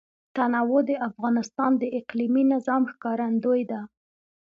تنوع د افغانستان د اقلیمي نظام ښکارندوی ده.